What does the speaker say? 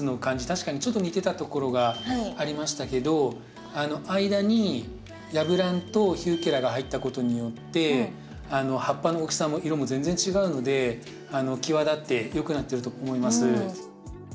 確かにちょっと似てたところがありましたけど間にヤブランとヒューケラが入ったことによって葉っぱの大きさも色も全然違うのできわだってよくなってると思います。